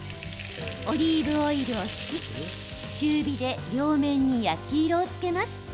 オリーブオイルを引き中火で両面に焼き色をつけます。